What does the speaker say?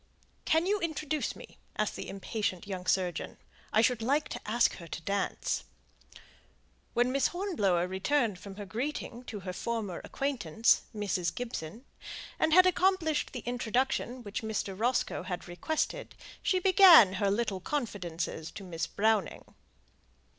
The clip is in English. "Can you introduce me?" asked the impatient young surgeon. "I should like to ask her to dance." When Miss Hornblower returned from her greeting to her former acquaintance, Mrs. Gibson, and had accomplished the introduction which Mr. Roscoe had requested, she began her little confidences to Miss Browning.